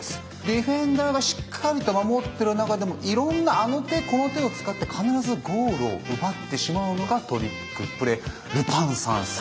ディフェンダーがしっかりと守ってる中でもいろんなあの手この手を使って必ずゴールを奪ってしまうのがトリックプレー、ルパン三世。